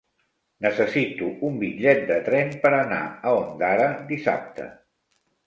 Necessito un bitllet de tren per anar a Ondara dissabte.